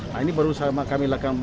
nah ini baru kami lakukan